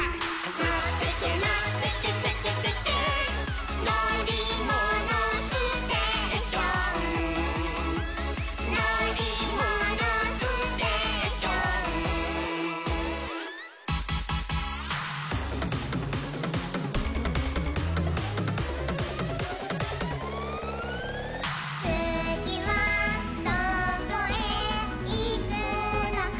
「のってけのってけテケテケ」「のりものステーション」「のりものステーション」「つぎはどこへいくのかな」